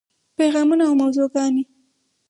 پیغامونه او موضوعګانې: